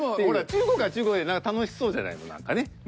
中国は中国で楽しそうじゃないの何かね。